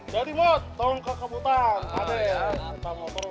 jadi buat tahun kekebutan ada ya